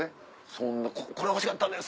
そんな「これ欲しかったんです」